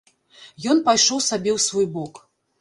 Ён пайшоў сабе ў свой бок.